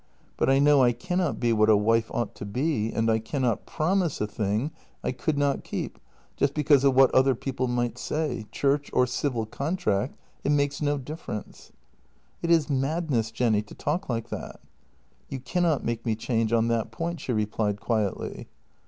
But I know I cannot be what a wife ought to be, and I cannot promise a thing I could not keep just because of what other people might say — church or civil contract, it makes no difference." " It is madness, Jenny, to talk like that." " You cannot make me change on that point," she replied quietly.